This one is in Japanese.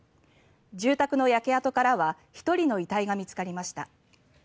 住宅の焼け跡からは１人の遺体が見つかりました。